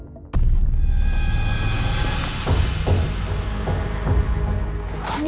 siapa yang sudah melakukan ini